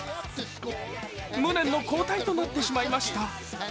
無念の交代となってしまいました。